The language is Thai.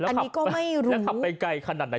อันนี้ก็ไม่รู้แล้วขับไปไกลขนาดไหน